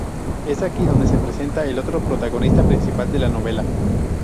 Es aquí donde se presenta el otro protagonista principal de la novela.